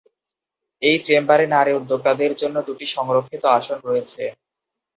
এই চেম্বারে নারী উদ্যোক্তাদের জন্য দুটি সংরক্ষিত আসন রয়েছে।